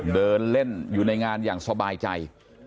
เดินเล่นอยู่ในงานอย่างสบายใจ